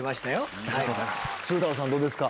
鶴太郎さんどうですか？